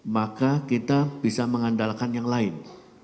maka kita bisa mengandalkan yang lain